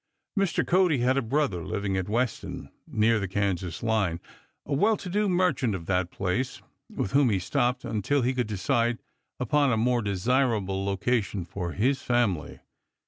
Mr. Cody had a brother living at Weston, near the Kansas line, a well to do merchant of that place, with whom he stopped until he could decide upon a more desirable location for his family.